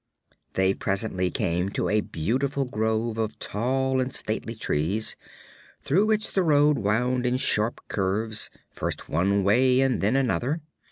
They presently came to a beautiful grove of tall and stately trees, through which the road wound in sharp curves first one way and then another.